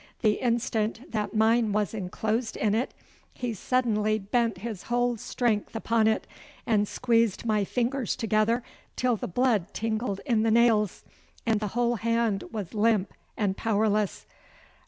The instant that mine was enclosed in it he suddenly bent his whole strength upon it, and squeezed my fingers together until the blood tingled in the nails, and the whole hand was limp and powerless.